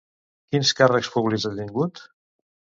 Quins càrrecs públics ha tingut?